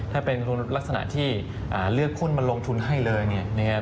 ถ้าเป็นลักษณะที่เลือกคุณมาลงทุนให้เลย